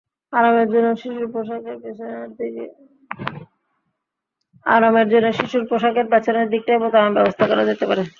আরামের জন্য শিশুর পোশাকের পেছনের দিকটায় বোতামের ব্যবস্থা করা যেতে পারে।